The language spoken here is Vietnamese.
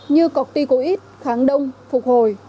như corticoid kháng đông phục hồi